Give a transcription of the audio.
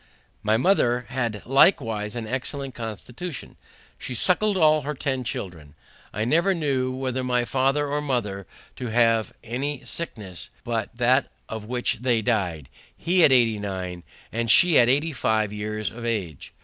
My mother had likewise an excellent constitution: she suckled all her ten children. I never knew either my father or mother to have any sickness but that of which they dy'd, he at 89, and she at 85 years of age.